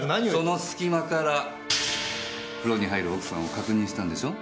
そのすき間から風呂に入る奥さんを確認したんでしょ？